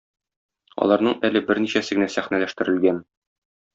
Аларның әле берничәсе генә сәхнәләштерелгән.